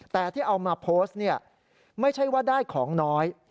แต่ที่เอามาโพสต์เนี่ยไม่ใช่ว่าได้ของน้อย